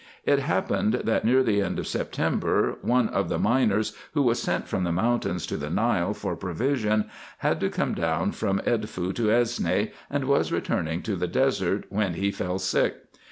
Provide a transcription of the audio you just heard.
It happened, that near the end of September, one of the miners, who was sent from the mountains to the Nile for provision, had to come down from Edfu to Esne, and was returning to the desert, when he fell sick.